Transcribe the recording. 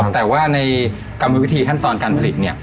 แต่ว่าในกรรมวิธีขั้นตอนการผลิต